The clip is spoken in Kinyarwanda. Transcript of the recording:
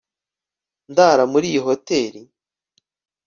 Ndara muri iyi hoteri